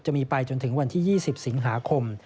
ไปจนถึงวันที่๒๐สิงหาคม